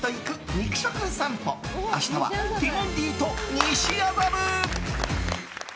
肉食さんぽ明日はティモンディと西麻布。